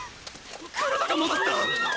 体が戻った。